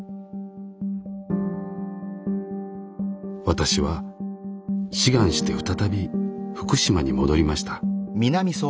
私は志願して再び福島に戻りました。